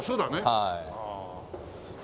はい。